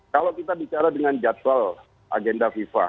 kalau kita bicara dengan jadwal agenda fifa